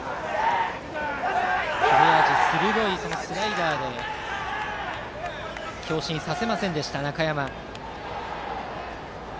切れ味鋭いスライダーで強振させませんでした中山。